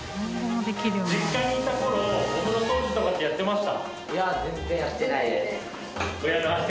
実家にいた頃お風呂掃除とかってやってました？